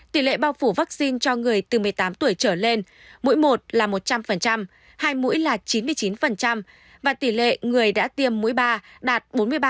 tỷ lệ bao phủ vaccine cho người từ một mươi tám tuổi trở lên mũi một là một trăm linh hai mũi là chín mươi chín và tỷ lệ người đã tiêm mũi ba đạt bốn mươi ba